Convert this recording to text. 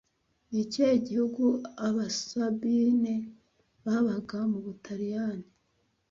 Ni ikihe gihugu Abasabine babaga mu Butaliyani